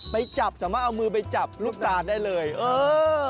ไปจับสามารถเอามือไปจับลูกตานได้เลยเออ